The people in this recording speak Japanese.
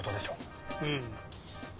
うん。